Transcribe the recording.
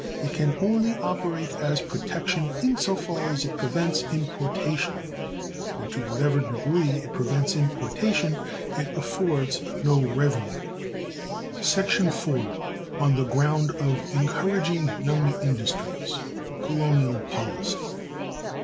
It can only operate as protection in so far as it prevents importation, and to whatever degree it prevents importation it affords no revenue. § 4. —on the ground of encouraging young industries; colonial policy.